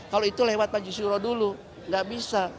kalau itu lewat pak jisuro dulu gak bisa